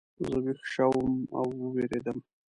زه ویښ شوم او ووېرېدم.